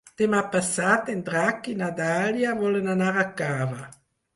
Demà passat en Drac i na Dàlia volen anar a Cava.